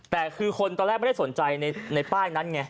แต่คือคนตอนแรกไม่ได้สนใจในป้ายนั้นไง